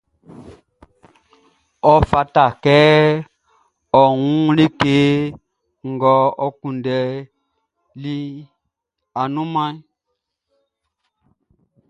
Ɔ fata kɛ ɔ wun like ngʼɔ kunndɛliʼn, kɛ ɔ fɛ i annunmanʼn.